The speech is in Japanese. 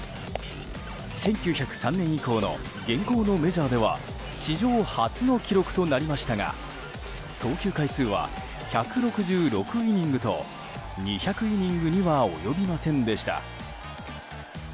１９０３年以降の現行のメジャーでは史上初の記録となりましたが投球回数は１６６イニングと２００イニングには及びませんでした。